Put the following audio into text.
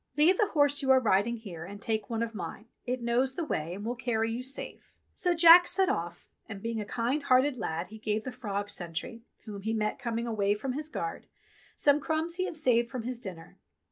Leave the horse you are riding here, and take one of mine. It knows the way, and will carry you safe." So Jack set off, and being a kind hearted lad he gave the frog sentry, whom he met coming away from his guard, some crumbs he had saved from his dinner.